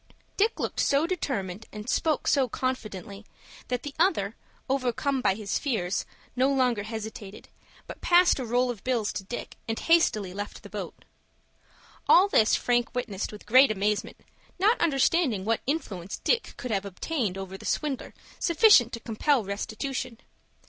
Dick looked so determined, and spoke so confidently, that the other, overcome by his fears, no longer hesitated, but passed a roll of bills to Dick and hastily left the boat. All this Frank witnessed with great amazement, not understanding what influence Dick could have obtained over the swindler sufficient to compel restitution.